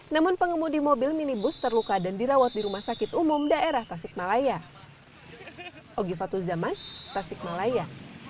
namun pengemudi mobil minibus terluka dan dirawat di rumah sakit umum daerah tasikmalaya